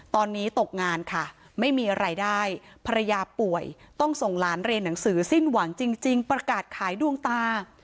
ตอนนี้ตกงานค่ะไม่มีอะไรได้ภรรยาป่วยต้องส่งหลานเรียนหนังสือสิ้นหวังจริงประกาศขายดวงตา